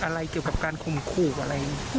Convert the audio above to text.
อะไรเกี่ยวกับการคุมคู่อะไรอย่างนี้